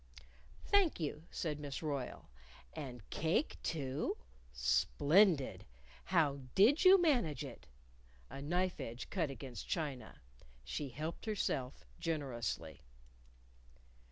"Thank you," said Miss Royle. "And cake, too? Splendid! How did you manage it?" A knife edge cut against china. She helped herself generously.